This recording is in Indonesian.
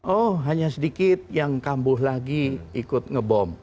oh hanya sedikit yang kambuh lagi ikut ngebom